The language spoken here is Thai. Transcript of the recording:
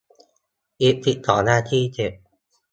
อีกสิบสองนาทีเสร็จ